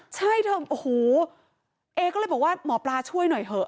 ใช่เธอโอ้โหเอก็เลยบอกว่าหมอปลาช่วยหน่อยเถอะ